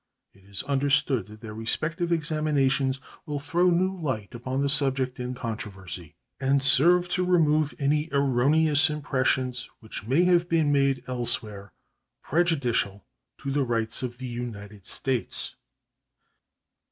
It is understood that their respective examinations will throw new light upon the subject in controversy and serve to remove any erroneous impressions which may have been made elsewhere prejudicial to the rights of the United States.